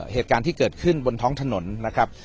เหตุการณ์ที่เกิดขึ้นบนท้องถนนนะครับ